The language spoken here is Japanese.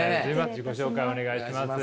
自己紹介をお願いします。